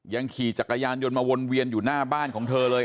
ขี่จักรยานยนต์มาวนเวียนอยู่หน้าบ้านของเธอเลย